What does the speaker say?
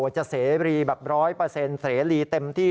จะเสรีแบบร้อยเปอร์เซ็นต์เสรีเต็มที่